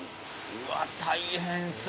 うわ大変そう。